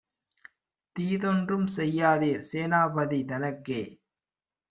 தீதொன்றும் செய்யாதீர் சேனா பதிதனக்கே!